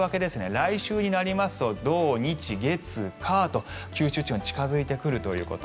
来週になりますと土日月火と九州地方に近付いてくるということ。